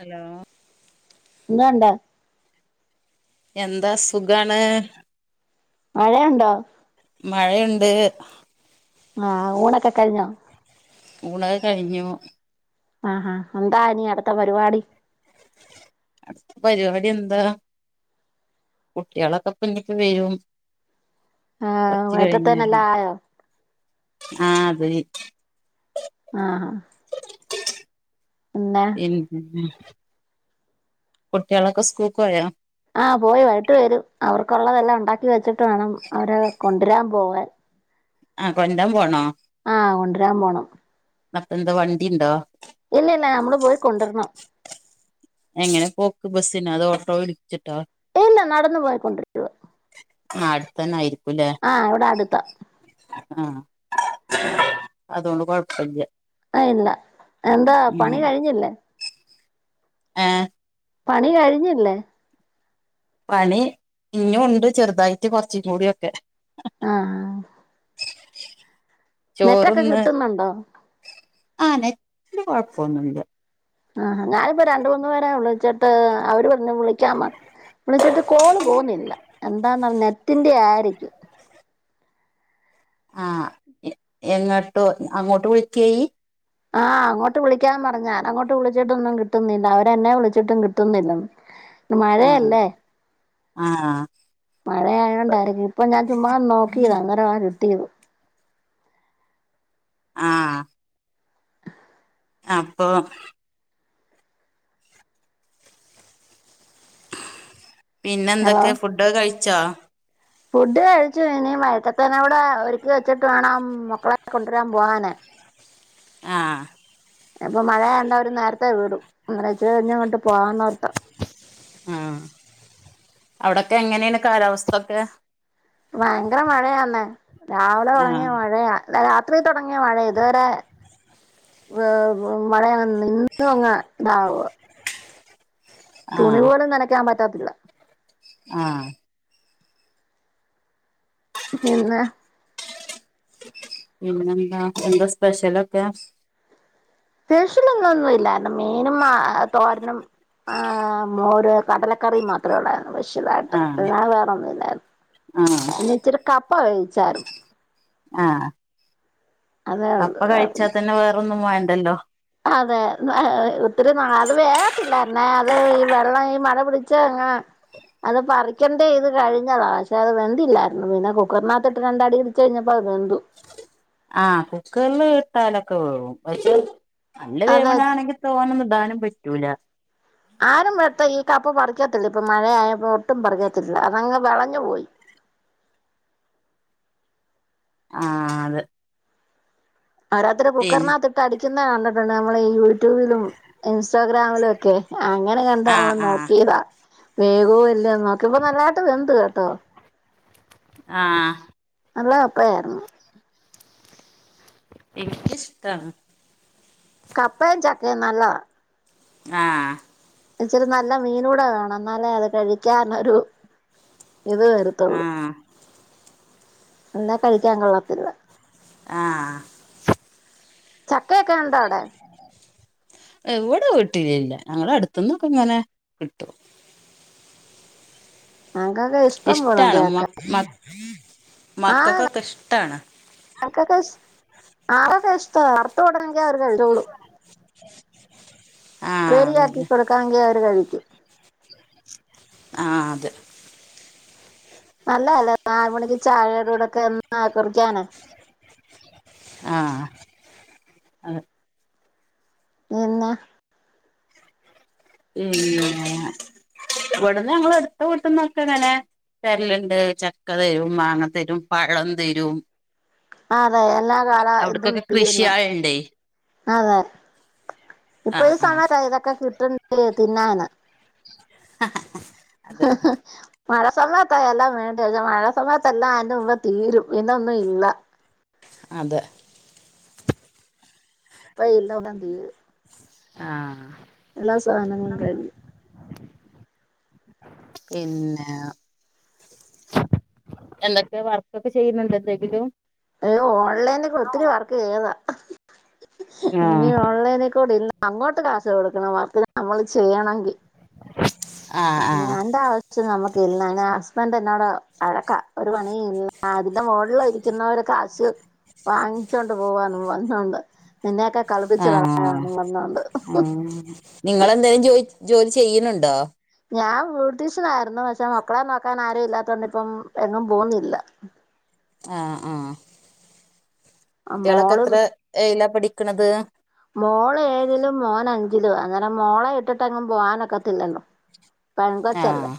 Hello ഇങ്ങാണ്ട എന്താ സുഖാണ് മഴയൊണ്ടോ മഴയിണ്ട് ആഹ് ഊണൊക്കെ കഴിഞ്ഞോ ഊണ് കഴിഞ്ഞൂ ആഹ എന്താ ഇനി അടുത്ത പരിപാടി അടുത്ത പരിപാടി എന്താ കുട്ടികളൊക്കെ പിന്നിപ്പ വരും ആഹ് കൊറച്ച് കഴിഞ്ഞ് വൈകിട്ടത്തേനെല്ലാം [unintelligible] ആയോ ആ അതെ ആഹ് പിന്നെ ഇൻ കുട്ടികളൊക്കെ സ്കൂക്ക് പോയോ ആന് പോയി വൈയിട്ട് വരും അവർക്കുള്ളതെല്ലാം ഉണ്ടാക്കി വെച്ചിട്ട് വേണം അവരെ കൊണ്ടരാൻ പോവാൻ ആഹ് കൊന്റാൻ പോണോ ആഹ് കൊണ്ടൊരാൻ പോണം അപ്പ എന്ത് വണ്ടി ഇണ്ടോ ഇല്ല ഇല്ല ഞമ്മള് പോയി കൊണ്ടുവരണം എങ്ങനെ പോക്ക് ബസ്സിനോ അതോ ഓട്ടോ വിളിച്ചിട്ടോ ഇല്ല നടന്ന് പോയി കൊണ്ടെരിക്കുവാ ആഹ് അടുത്ത് തന്നെ ആയിരിക്കും ഇല്ലേ ആഹ് ഇവിടെ അടുത്താ ആഹ് അതോണ്ട് കൊഴപ്പില്ല ആഹ് ഇല്ല എന്താ പണി ഉം കഴിഞ്ഞില്ലേ ഏ പണി കഴിഞ്ഞില്ലേ പണി ഇനീം ഉണ്ട് ചെറുതായിട്ട് കൊറച്ചും കൂടിയൊക്കെ ആഹ് നെറ്റൊക്കെ ചോറൊന്ന് കിട്ടുന്നുണ്ടോ ആ നെറ്റ്ല് കുഴപ്പോന്നും ഇല്ല ആഹ് ഞാനിപ്പ രണ്ടുമൂന്ന് പേരേ വിളിച്ചിട്ട് അവര് പറഞ്ഞ് വിളി ക്കാന്ന് വിളിച്ചിട്ട് കോള് പോന്നില്ല എന്താന്നാ നെറ്റിന്റെ ആയിരിക്കും ആഹ് എങ്ങട്ടു അങ്ങോട്ട് വിളിക്കയി ആഹ് അങ്ങോട്ട് വിളിക്കാൻ പറഞ്ഞ് ഞാൻ അങ്ങോട്ട് വിളിച്ചിട്ടൊന്നും കിട്ടുന്നില്ല അവര് എന്നെ വിളിച്ചിട്ടും കിട്ടുന്നില്ലെന്ന് ഇന്ന് ആഹ് മഴയല്ലേ ആഹ് മഴയായോണ്ടായിരിക്കും ഇപ്പൊ ഞാൻ ചുമ്മാ ഒന്ന് നോക്കിയതാ അന്നരവാ കിട്ടിയത് അപ്പോ ഹലോ പിന്നെന്തൊക്കെ ഫുഡ് ഒക്കെ കഴിച്ചോ ഫുഡ് കഴിച്ചു ഇനി വൈട്ടത്തേനൂടെ അവർക്ക് വെച്ചിട്ട് വേണം മക്കളെ കൊണ്ടുവരാൻ പോവാന് ആഹ് ഇപ്പം മഴയ കണ്ടവരും നേരത്തെ വീടും ന്തെച്ച കഴിഞ്ഞ അങ്ങോട്ട് പോകാന്ന്ർത്താ ആഹ് അവിടൊക്കെ എങ്ങനെയാണ് കാലാവസ്ഥൊക്കെ ഭയങ്കര മഴയാന്നേ രാവിലെ ആഹ് തൊടങ്ങിയ മഴയാ രാത്രി തൊടങ്ങിയ മഴയ ഇതുവരെ [unintelligible] മഴയാ ഇന്നും ങ്ങ ഇതാവാ തുണി ആഹ് പോലും നനക്കാൻ പറ്റത്തില്ല ആഹ് പിന്നെ പിന്നെന്താ എന്താ സ്പെഷ്യലൊക്കെ? സ്പെഷ്യൽ ഒന്നുന്നു ഇലാരുന്നു മീനും ആ തോരനും ആഹ് മോരു കടലക്കറിയും മാത്രം ഒള്ളായിരുന്നുള്ളൂ വിഷദായിട്ട് ആഹ് അ വേറെ ഒന്നും ഇല്ലായിരുന്നു ആഹ് പിന്നെ ഇച്ചിരി കപ്പ കഴിച്ചാര്ന്നു ആഹ് അതേ കപ്പ ഉള്ളൂ കഴിച്ചാൽ തന്നെ വേറൊന്നും വേണ്ടല്ലോ അതെ ഒത്തിരി അത് വേഗത്തില്ലാരന്നെ അത് ഈ വെള്ളം ഈ മഴ പിടിച്ചങ്ങ അത് പറിക്കേണ്ടെ ഇത് കഴിഞ്ഞതാ പക്ഷെ അത് വെന്തില്ലായിരുന്നു പിന്നെ കുക്കറിനകത്ത് ഇട്ട് ണ്ടടി കഴിഞ്ഞപ്പോ ത് വെന്തു ആഹ് കുക്കറ്ല് ഇട്ടാലൊക്കെ വേവും പക്ഷെ നല്ല അതെ വേവണാണെങ്കിൽ തോനൊന്നും ഇടാനും പറ്റൂല ആരും വെട്ട ഈ കപ്പ പറിക്കത്തില്ല ഇപ്പൊ മഴയപ്പോ ഒട്ടും പറിക്കത്തില്ല അതങ്ങ് വളഞ്ഞു പോയി ആഹ് അതെ പോരാത്തതിന് കുക്കറിനകത്തി ഇട്ട് അടിക്കുന്ന കണ്ടിട്ടുണ്ട് നമ്മൾ ഈ യൂട്യൂബിലും ഇൻസ്റ്റാഗ്രാമിലും ഒക്കെ അങ്ങനെ കണ്ട ആഹ് നമ്മള് ആഹ് നോക്കിയതാ വേകുമോ ഇല്ലയോ നോക്കിയപ്പോ നല്ലായിട്ട് വെന്ത് കേട്ടോ ആഹ് നല്ല അപ്പായായിരുന്നു എനിക്കിഷ്ട കപ്പയും ചക്കയും നല്ലതാ ആഹ് ഇച്ചിരി നല്ല മീനൂടെ വേണം ന്നാലേ അത് കഴിക്കനൊരു ഇത് വരത്തുള്ളൂ ആഹ് എന്നാ കഴിക്കാൻ കൊള്ളത്തില്ല ആഹ് ചക്കയൊക്കെ ഉണ്ടോ അവടെ ഇവിടെ വിട്ടീല്ല് ല്ല ഞങ്ങൾ അടുത്തുനിന്ന് ഒക്കെ ഇങ്ങനെ കിട്ടും ഞങ്ങക്കൊക്കെ ഇഷ്ടം പോലുണ്ട് ഇഷ്ടാണ് ചക്ക മ മക്കൾക്കൊക്കെ ഇഷ്ടാണ് ആക്ക ഷ് ആകെ ഷ് വാർത്ത കൊടക്കണേൽ അവർ കഴിച്ചോളും ആഹ് ഉപ്പേരി അതന്നെ ആണേൽ കാങ്കിൽ അവര് കഴിക്കും ആഹ് അത് അല്ല നാലുമണിക് ചെയ്യ്ഡ് കൂടെ ഒക്കെ കൊറിക്കും ആഹ് അത് പിന്നെ [unintelligible] ഇവിടുന്ന് ഞങ്ങൾ എടുത്ത വീട്ടന്നൊക്കെ അങ്ങനെ തരലുണ്ട് ചക്ക തരും മാങ്ങ തരും പഴം തരും ആ അതെ എല്ലാ കാല ഇതും അവിടക്കൊക്കെ തീർന്ന കൃഷിയാളുണ്ടേ അതെ ഇപ്പൊ ആഹ് ഒരു ആഹ് സമയത്ത് ഇതൊക്കെ കിട്ടണ്ട് തിന്നാന് ഹ ഹ ഹ ഹ ഹ മഴ സമയത്തായ എല്ലാം വേണ്ട പക്ഷെ മഴ സമയത്ത്എല്ലാം അതിറെ മുമ്പ് തീരും ഇന്നൊന്നും ഇല്ല അതെ പ്പയ്നോടം തീ ആഹ് എല്ലാ സാനങ്ങളും കഴിഞ്ഞ് പിന്നേ എന്തൊക്കെ വർക്കൊക്കെ ചെയ്യുന്നുണ്ട് എന്തെങ്കിലും ഹ് ഓൺലൈന്ക്ക് ആഹ് ഒത്തിരി വർക്ക് ചെയ്തതാ ഇനി ആഹ് ഓൺലൈന്ക്കൂടില്ല അങ്ങോട്ട് കാശ് കൊടുക്കണം വർക്ന് നമ്മള് ചെയ്യണങ്കി ആഹ് അഹ് ഞാന്റെ ആവശ്യം നമ്മക്ക് ഇല്ല ന ഹസ്ബന്റ് എന്നോട് അഴക്കാ ഒരു പണിയിം ഇല്ല അതിന്റെ മോൾള് ഇരിക്കുന്നവരെ കാശ് വാങ്ങിച്ചോണ്ട് പോവാന്നും വന്നോണ്ട് നിന്നെയൊക്കെ കളിപ്പിച്ച് കള [unintelligible] വന്നോണ്ട് ഉം നിങ്ങളെന്തേലും ജോയ് ജോലി ചെയ്യ്ണ് ണ്ടോ ഞാൻ ബ്യൂട്ടീഷനായിരുന്നു പക്ഷെ മക്കളെ നോക്കാനാരും ഇല്ലാത്തോണ്ട് ഇപ്പം എങ്ങും പോവുന്നില്ല ഏഹ് ആഹ് കുട്ട്യാളൊക്കെ മോള് എത്ര എയിലാ പഠിക്ക്ണത് മോള് ഏഴിലും മോന് അഞ്ചിലോ അന്നേരം മോളെ ഇട്ടിട്ടെങ്ങും പോകാനൊക്കത്തില്ലല്ലോ പെങ്കോച്ചല്ലേ ആഹ്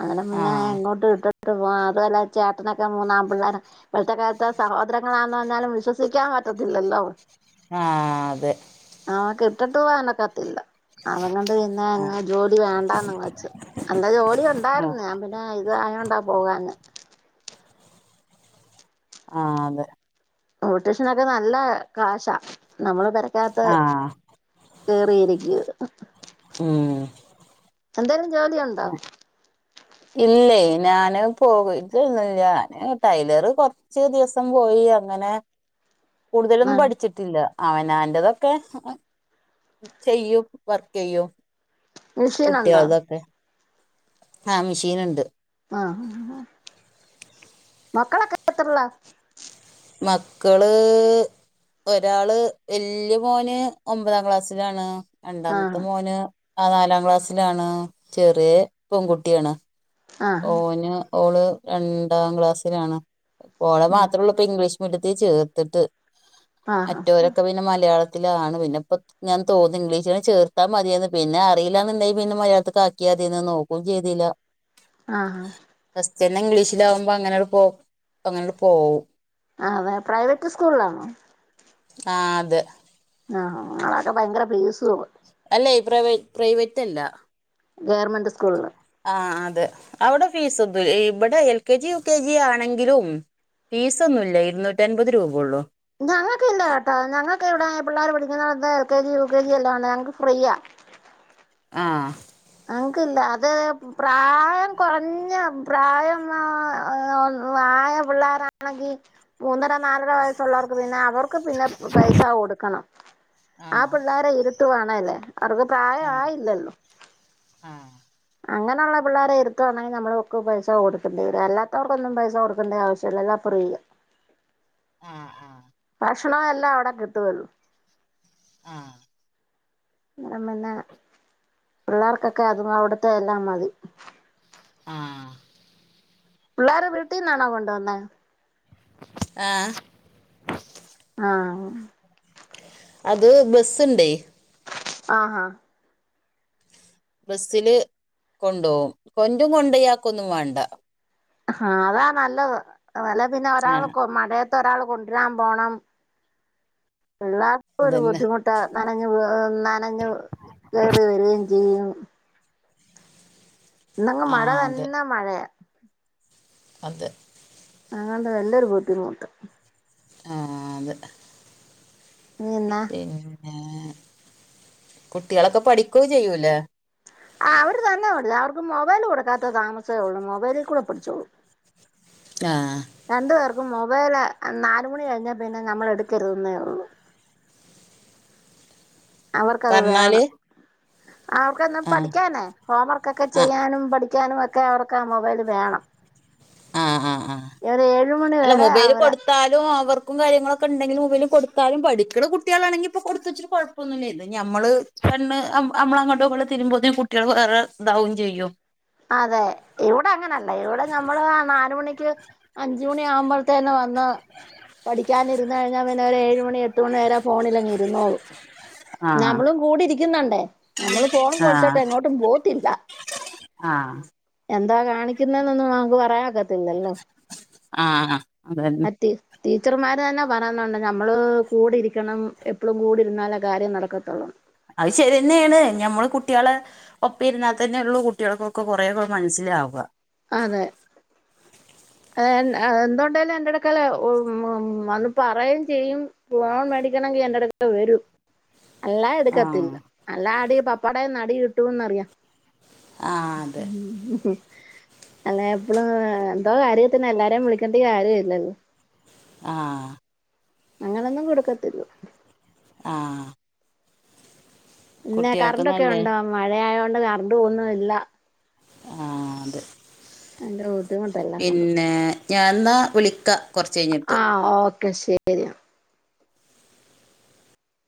അങ്ങനേ പിന്നെ ആഹ് എങ്ങോട്ട് ഇട്ടി ട്ട് അതുഅല്ല ചേട്ടനൊക്കെ മൂന്നാമ്പിള്ളേരാ ഇപ്പൾത്ത കാലത്ത് സഹോദരങ്ങളാന്ന് പറഞ്ഞാലും വിശ്വസിക്കാൻ പറ്റത്തില്ലല്ലോ ആഹ് അതെ അവക്ക് ഇട്ടിട്ട് പോകാനൊക്കത്തില്ല അതങ്ങൊണ്ട് പിന്നെ ആഹ് അങ്ങ് ജോലി വേണ്ടന്നങ് വെച്ചു എന്താ ജോലി ആഹ് ഉണ്ടായിരുന്നു ഞാൻ പി ആഹ് ഇതായാ ആയോണ്ടാ പോവാഞ്ഞെ ആഹ് അതെ ബ്യൂട്ടീഷനൊക്കെ നല്ല കാശാ നമ്മള് പെരക്കകത്ത് ആഹ് കേറിയിരിക്കും ഉം എന്തേലും ജോലി ഉണ്ടോ ഇല്ലേ ഞാന് പോവ്റ്റൊന്നുല്ല ഞാന് ടൈലറ് കൊറ് ച്ച് ദിവസം പോയീ അങ്ങനെ [inaudible] കൂടുതലൊന്നും പഠിച്ചി ട്ടില്ല അവനാന്റെതൊക്കെ ചെയ്യും വർക്കയ്യും മെഷീനുണ്ടോ കുട്ട്യാൾതൊക്കെ ആഹ് മിഷീന് ഇണ്ട് ആഹ് മക്കളൊക്കെ [unintelligible] എത്രല്ലാ മക്കള് ഒരാള് വല്ല്യ മോന് ഒമ്പതാം ക്ലാസ്സിലാണ് ആ രണ്ടാമത്തെ മോന് ആ നാലാം ക്ലാസ്സിലാണ് ചെറിയ പെൺകുട്ട്യാണ് ആ ഓന് ഓള് രണ്ടാം ക്ലാസ്സിലാണ് ഇപ്പോഓളെ ഉം. മാത്രേള്ളൂ ഇപ്പഇംഗ്ലീഷ് മീഡിയത്തിൽ ചേർത്ത്ട്ട് ആഹാ മറ്റോരൊക്കെ പിന്നെ മലയാളത്തിലാണ് പിന്നെ ഇപ്പൊ ഇങ്ങനെ തോന്നി ഇംഗ്ലീഷിലെ ചേർത്താ മതിയെന്ന് പിന്നെ അറിയില്ലാന്ന്ണ്ടങ്കി പിന്നെ മലയാളത്ത്ക്ക് ആക്കിയാതീന്നു നോക്കും ചെയ്തില ആഹ് ഫസ്റ്റ്ന്നേ ഇംഗ്ലീഷിലാഉമ്പോ അങ്ങനെട് പോ പഅങ്ങനെട് പോവു ആഹ് വെ പ്രൈവറ്റ് സ്കൂൾളാണോ ആഹ് അതെ ആഹ് അവട ഭയങ്കര ഫീസു അല്ലേ പ്രവേ പ്രൈവറ്റ് അല്ല ഗവർമെന്റ് സ്കൂള്കള് ആഹ് അതെ അവടെ ഫീസ് ഒന്നു ഏഹ് ഇവടെ L K G U K G ആണെങ്കിലും ഫീസൊന്നുല്ല്യ ഇരുന്നൂറ്റി അൻപത് രൂപള്ളൂ ഞങ്ങക്കില്ല കേട്ടോ ഞങ്ങക്കിവിടെ പിള്ളാര് പഠിക്കണടത്ത് L K G, U K G എല്ലാം ഉണ്ട് ഞങ്ങക്ക് ഫ്രീയാ ആഹ് ഞങ്ങൾക്കില്ല അത് പ്രായം കുറഞ്ഞ പ്രായമായ. [unintelligible] പിള്ളേരാണെങ്കിൽ മൂന്നര. നാലര വയസ്സുള്ളവർക്ക് പിന്നെ അവർക്ക് പിന്നെ പൈസ കൊടുക്കണം. ആഹ് പിള്ളേരെ ഇരുത്തുവാണേല് അവർക്ക് പ്രായം ആയില്ലല്ലോ. ആഹ് അങ്ങനെയുള്ള പിള്ളേരെ ഇരുത്തുവാണെങ്കിൽ നമ്മടെ ഒക്കെ പൈസ കൊടുക്കേണ്ട വരും, അല്ലാത്തവർക്കൊന്നും പൈസ കൊടുക്കേണ്ട ആവശ്യമില്ല ഹാഫ്. ഫ്രീയാ ആഹ് ആഹ് ഭക്ഷണോം എല്ലാം അവിടെ കിട്ടുവല്ലൊ ആഹ് അന്നേരം പിന്നെ പിള്ളേർക്കൊക്കെ അതും അവിടുത്തെ എല്ലാ മതി. ആഹ് പിള്ളാരെ വീട്ടീന്നാണോ കൊണ്ടു വന്നേ ആഹ് ആഹ് അത് ബസ് ഉണ്ടേ. ആഹ് ആഹ് ബസ്സില് കൊണ്ടോവും [unintelligible] കൊണ്ട് പോയിയാക്കുവൊന്നും വേണ്ട ആഹ് അതാ നല്ലത് അല്ലേ പിന്നെ ഒരാള് ആഹ് മഴയത്ത്. ഒരാൾ കൊണ്ട്വരാൻ പോണം പിള്ളാർക്കും ഒരു അതന്നെ ബുദ്ധിമുട്ട് ത്താൽ നനഞ്ഞു ഏഹ് നനഞ്ഞു കയറി വരികയും ചെയ്യും. ഇന്നങ്ങ് മഴ ആഹ് അതെ തന്നെ മഴയാ അതെ അതുകൊണ്ട് വലിയൊരു ബുദ്ധിമുട്ട്. ആഹ് അതെ പിന്നെ പിന്നേ കുട്ടികളൊക്കെ പഠിക്കുവേം ചെയ്യൂലേ ആഹ് അവർ തന്നെ പഠിക്കും അവർക്ക് മൊബൈല് കൊടുക്കാത്ത താമസേ ഉള്ളൂ മൊബൈലിൽ കൂടെ പഠിച്ചോളും ആഹ് രണ്ടു പേർക്കും മൊബൈൽ നാല് മണി കഴിഞ്ഞാൽ പിന്നെ നമ്മള് എടുക്കരുതെന്നേ ഉള്ളൂ. അവർക്കത് പറഞ്ഞാല് വേണം അവർക്കെന്നും ആഹ് പഠിക്കാന്നേ ഹോം വർക്കൊക്കെ ആഹ് ചെയ്യാനും പഠിക്കാനും ഒക്കെ. ഒക്കെ അവർക്ക് ആഹ് മൊബൈൽ വേണം. ആഹ് ആഹ് ആഹ് ഒരു ഏഴ് അല്ല മൊബൈൽ കൊടു കൊടുത്താലും അവർക്കും കാര്യങ്ങളൊക്കെ ഉണ്ടെങ്കിൽ മൊബൈൽ കൊടുത്താലും പഠിക്കുന്ന കുട്ടികളാണെങ്കിൽ ഇപ്പൊ കൊടുത്തെന്ന് വെച്ചിട്ട് കൊഴ [unintelligible] ഞമ്മള് കണ്ണ് അമ്മള് അങ്ങോട്ടും ഇങ്ങോട്ടും തിരിയുമ്പോത്തേന് കുട്ടികൾ വേറെ ഇതാവും ചെയ്യും അതെ ഇവിടങ്ങനല്ല ഇവിടെ ഞമ്മള് ആ നാല് മണിക്ക് അഞ്ച് മണി ആവുമ്പഴത്തേന് വന്ന് പഠിക്കാനിരുന്ന് കഴിഞ്ഞാൽ പിന്നെ ഒരു ഏഴുമണി എട്ട് മണി വരെ ഫോണിലങ്ങ് ഇരുന്നോളും. ആഹ് കൂടിരിക്കുന്നുണ്ട് നമ്മള് ഫോൺ കൊടുത്തിട്ട് ആഹ് എങ്ങോട്ടും പോത്തില്ല ആഹ് എന്താ കാണിക്കുന്നെന്നൊന്നും നമുക്ക് പറയാനൊക്കത്തില്ലല്ലോ. ആഹ് അതന്നെ ടീ ടീച്ചർമാർ തന്നെ പറയുന്നുണ്ട് ഞമ്മള് കൂടിരിക്കണം എപ്പളും കൂടിരുന്നാലേ കാര്യം നടക്കത്തൊള്ളെന്ന് അത് ശരി തന്നെയാണ് ഞമ്മള് കുട്ടികളെ ഒപ്പം ഇരുന്നാൽ തന്നെയുള്ള കുട്ടികൾക്കൊക്കെ കുറേയൊക്കെ മനസ്സിലാവും. അതെ എന്തുണ്ടായലും എന്റെടക്കാല വന്ന് പറയെം ചെയ്യും [unintelligible] അഠിക്കണങ്ക എന്റെടക്ക വരും അല്ലാ ആഹ് എടുക്കത്തില്ല അല്ല അടി പപ്പാട നടി കിട്ടുന്നറിയാം ആഹ് അതെ ഉം അല്ലെ എപ്പളും എന്തോ കാര്യ തന്നെ എല്ലാരെയും വിളിക്കണ്ടേ കാര്യല്ലല്ലോ ആഹ് അങ്ങനൊന്നും കൊടുക്കത്തില്ലോ ആഹ് പിന്നെ കുട്ടികൾക്ക് കറണ്ട്ക്കെ നല്ലേ ഉണ്ടോ മഴയത് കൊണ്ട് കറണ്ട് പോന്നുംല്ല ആ അതെ അലോ പിന്നെ ഞാന്നാ വിളിക്ക ആ ഓക്കെ ശരി